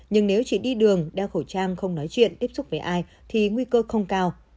nhưng nếu chỉ đi đường đeo khẩu trang không nói chuyện tiếp xúc với ai thì nguy cơ không cao